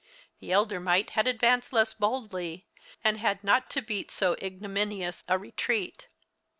The elder mite had advanced less boldly, and had not to beat so ignominious a retreat.